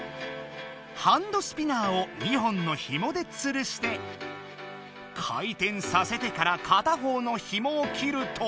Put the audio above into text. ハンドスピナーを２本のひもでつるして回転させてから片方のひもを切ると？